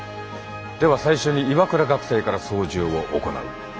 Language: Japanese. では最初に岩倉学生から操縦を行う。